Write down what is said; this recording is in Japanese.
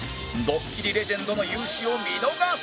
ドッキリレジェンドの雄姿を見逃すな！